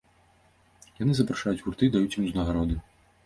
Яны запрашаюць гурты, даюць ім узнагароды.